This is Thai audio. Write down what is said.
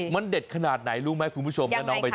มันเด็ดขนาดไหนรู้มั้ยคุณผู้ชม